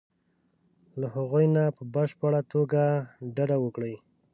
له هغو نه په بشپړه توګه ډډه وکړي.